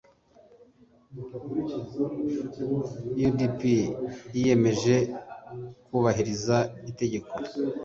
u d p r yiyemeje kubahiriza itegeko